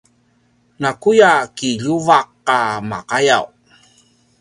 nakuya kiljuvaq a maqayaw